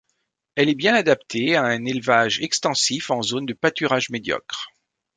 Elle est bien adaptée à un élevage extensif en zone de pâturage médiocre.